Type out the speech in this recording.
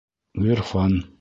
Ғ ирфан.